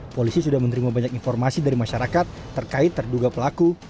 polisi sudah menerima banyak informasi dari masyarakat terkait terduga pelaku